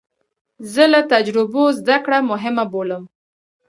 زه له تجربو زده کړه مهمه بولم.